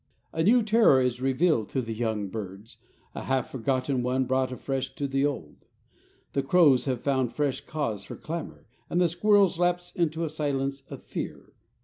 A new terror is revealed to the young birds, a half forgotten one brought afresh to the old. The crows have found fresh cause for clamor, and the squirrels lapse into a silence of fear.